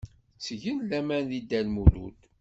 Ttgen laman deg Dda Lmulud.